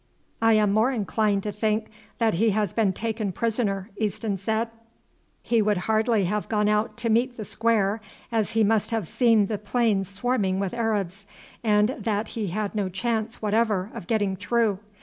"I am more inclined to think that he has been taken prisoner," Easton said; "he would hardly have gone out to meet the square, as he must have seen the plains swarming with Arabs and that he had no chance whatever of getting through.